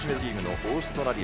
オーストラリア